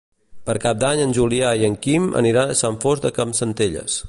Per Cap d'Any en Julià i en Quim aniran a Sant Fost de Campsentelles.